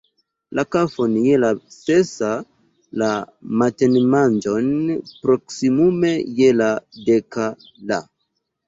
La kafon je la sesa, la matenmanĝon proksimume je la deka, la